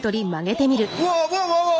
うわわわわわ！